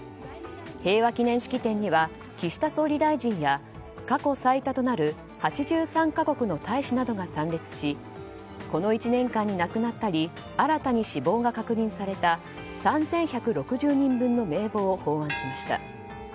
平和祈念式典へは岸田総理大臣や過去最多となる８３か国の大使などが参列しこの１年間に亡くなったり新たに死亡が確認された３１６０人分の名簿を奉安しました。